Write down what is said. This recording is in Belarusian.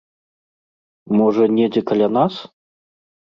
Можа, недзе каля нас?